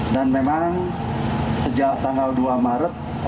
dan memang sejak tanggal dua oktober